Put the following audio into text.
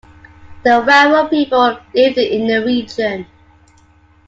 The Warao people live in the region.